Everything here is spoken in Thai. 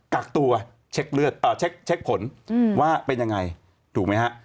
กักตัวเช็คผลว่าเป็นอย่างไรถูกไหมคะ